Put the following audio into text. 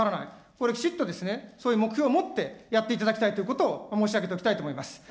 これ、きちっと、そういう目標を持ってやっていただきたいということを申し上げておきます。